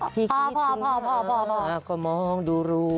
พี่คิดจุ๊นง้ายก็มองดูรู